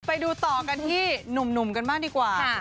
ไปดูต่อกันที่หนุ่มกันบ้างดีกว่า